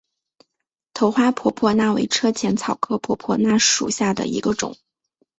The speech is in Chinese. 头花婆婆纳为车前草科婆婆纳属下的一个种。